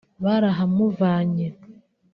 barahamuvanye